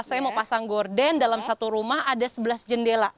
saya mau pasang gorden dalam satu rumah ada sebelas jendela